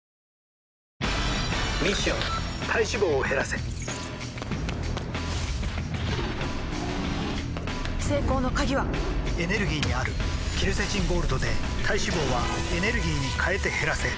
ミッション体脂肪を減らせ成功の鍵はエネルギーにあるケルセチンゴールドで体脂肪はエネルギーに変えて減らせ「特茶」